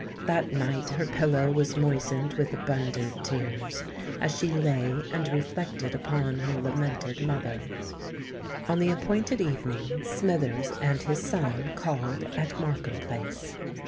That night her pillow was moistened with abundant tears, as she lay and reflected upon her lamented mother! On the appointed evening Smithers and his son called at Markham Place.